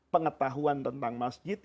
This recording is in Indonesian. pengetahuan tentang masjid